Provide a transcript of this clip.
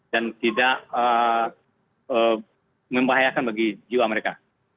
dan tidak membahayakan bagi jiwa mereka